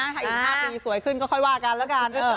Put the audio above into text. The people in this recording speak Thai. ถ้าอีก๕ปีสวยขึ้นก็ค่อยว่ากันแล้วกัน